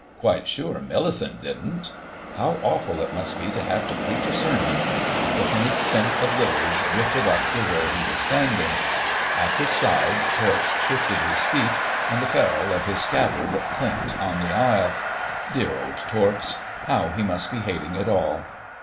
Quite sure Millicent didn't.... How awful it must be to have to preach a sermon.... The faint scent of lilies drifted up to where he was standing. At his side Torps shifted his feet, and the ferrule of his scabbard clinked on the aisle. Dear old Torps! ... How he must be hating it all.